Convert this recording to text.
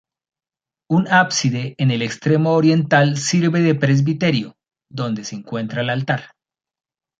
Un ábside en el extremo oriental sirve de presbiterio, donde se encuentra el altar.